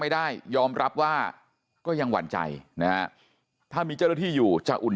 ไม่ได้ยอมรับว่าก็ยังหวั่นใจนะฮะถ้ามีเจ้าหน้าที่อยู่จะอุ่น